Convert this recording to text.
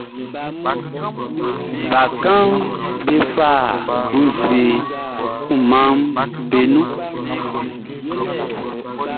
Bakannganʼm be fa nzue kunmanʼn nun ba.